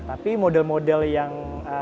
tapi model model yang